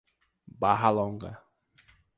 Barra Longa